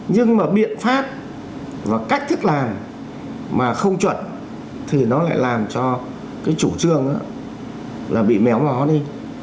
nhưng mà biện pháp và cách thức làm mà không chuẩn thì nó lại làm cho cái chủ trương là bị méo mó đi